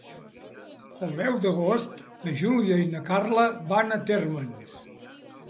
El deu d'agost na Júlia i na Carla van a Térmens.